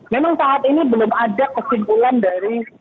memang saat ini belum ada kesimpulan dari